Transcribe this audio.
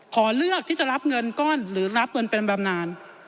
ขอเลือกที่จะรับเงินก้อนหรือรับเงินเป็นบำนาน